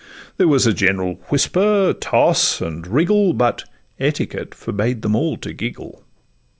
There was a general whisper, toss, and wriggle, But etiquette forbade them all to giggle.